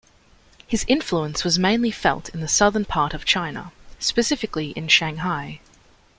His influence was mainly felt in the southern part of China, specifically in Shanghai.